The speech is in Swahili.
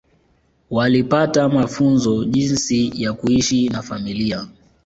Walipata mafunzo jinsi ya kuishi na familia